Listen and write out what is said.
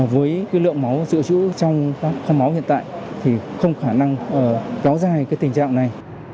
với lượng máu dự trữ trong các khóa máu hiện tại thì không khả năng đó dài tình trạng này